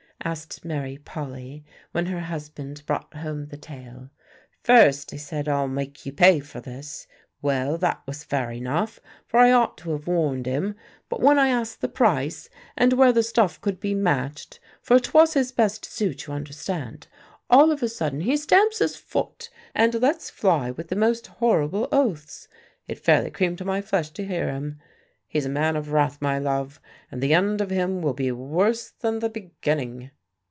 asked Mary Polly, when her husband brought home the tale. "First he said, 'I'll make you pay for this.' Well, that was fair enough, for I ought to have warned him; but when I asked the price, and where the stuff could be matched for 'twas his best suit, you understand all of a sudden he stamps his foot and lets fly with the most horrible oaths. It fairly creamed my flesh to hear him. He's a man of wrath, my love, and the end of him will be worse than the beginning."